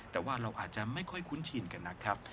แต่ว่าเราอาจจะไม่ค่อยคุ้นชินกันนะครับ